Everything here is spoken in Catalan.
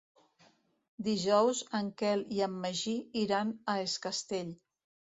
Dijous en Quel i en Magí iran a Es Castell.